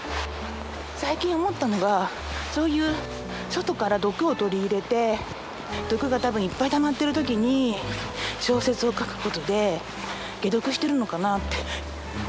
最近思ったのがそういう外から毒を取り入れて毒が多分いっぱいたまってる時に小説を書くことで解毒してるのかなって思いましたね。